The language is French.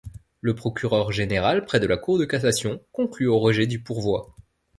Le procureur général près la Cour de Cassation conclut au rejet du pourvoi.